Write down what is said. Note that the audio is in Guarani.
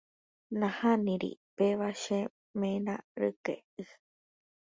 Nahániri, péva che ména ryke'y.